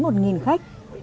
một nghìn khách